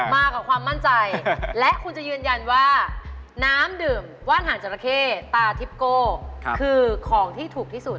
มากับความมั่นใจและคุณจะยืนยันว่าน้ำดื่มว่านหางจราเข้ตาทิปโก้คือของที่ถูกที่สุด